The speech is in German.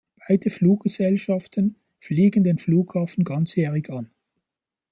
Beide Fluggesellschaften fliegen den Flughafen ganzjährig an.